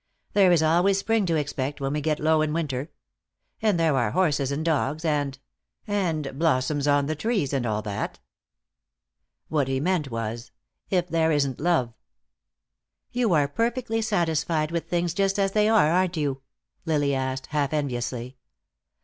"There is always spring to expect, when we get low in winter. And there are horses and dogs, and and blossoms on the trees, and all that." What he meant was, "If there isn't love." "You are perfectly satisfied with things just as they are, aren't you?" Lily asked, half enviously.